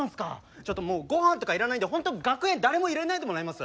ちょっともう御飯とかいらないんでホント楽屋誰も入れないでもらえます？